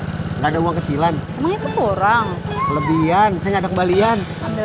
gua enggak ada uang kecilan orang kelebihan saya ada kembalian